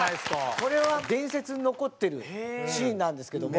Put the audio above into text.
これは伝説に残ってるシーンなんですけども。